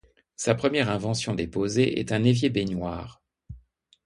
Sa première invention déposée est un évier-baignoire.